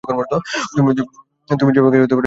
তুমি যেভাবে বিশ্বকে দেখ সেরকমই, নিক।